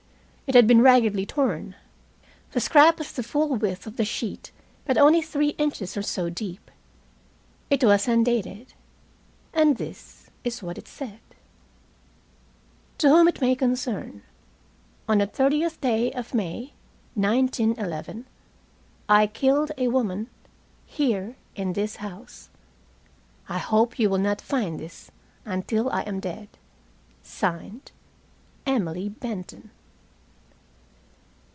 It had been raggedly torn. The scrap was the full width of the sheet, but only three inches or so deep. It was undated, and this is what it said: "To Whom it may concern: On the 30th day of May, 1911, I killed a woman (here) in this house. I hope you will not find this until I am dead. "(Signed) EMILY BENTON."